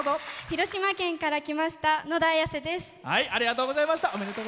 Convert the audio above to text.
広島県から来ましたのだです。